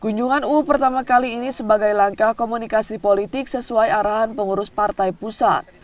kunjungan uu pertama kali ini sebagai langkah komunikasi politik sesuai arahan pengurus partai pusat